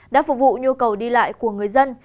đã phục vụ nhu cầu đi lại của người dân